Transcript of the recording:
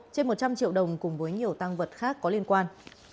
trên một trăm linh triệu đồng cùng với nhiều tăng vật khác có liên quan